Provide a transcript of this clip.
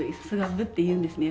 分って言うんですね。